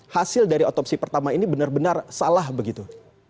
hasil dari otopsi pertama ini benar benar salah begitu